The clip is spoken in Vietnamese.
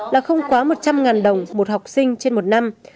là không quá một trăm linh đồng một học sinh trên một năm